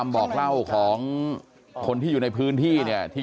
พ่อขออนุญาต